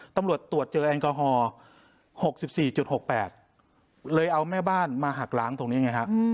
ตรวจเจอแอลกอฮอล์๖๔๖๘เลยเอาแม่บ้านมาหักล้างตรงนี้ไงฮะ